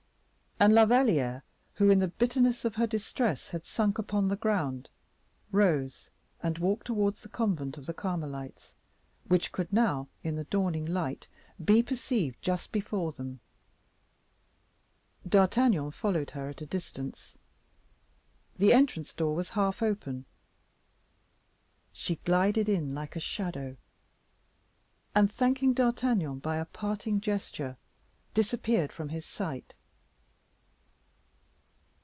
And La Valliere, who, in the bitterness of her distress, had sunk upon the ground, rose and walked towards the convent of the Carmelites, which could now, in the dawning light, be perceived just before them. D'Artagnan followed her at a distance. The entrance door was half open; she glided in like a shadow, and thanking D'Artagnan by a parting gesture, disappeared from his sight.